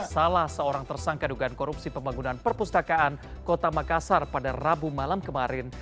salah seorang tersangka dugaan korupsi pembangunan perpustakaan kota makassar pada rabu malam kemarin